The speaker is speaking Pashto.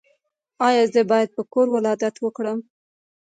ایا زه باید په کور ولادت وکړم؟